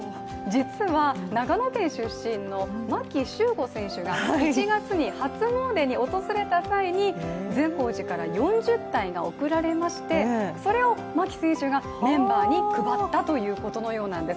実は、長野県出身の牧秀悟選手が１月に初詣に訪れた際に善光寺から４０体が送られまして、それを牧選手がメンバーに配ったということのようなんです。